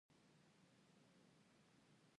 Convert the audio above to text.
د علامه رشاد لیکنی هنر مهم دی ځکه چې ادبي تولید کوي.